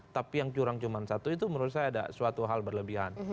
tapi yang curang cuma satu itu menurut saya ada suatu hal berlebihan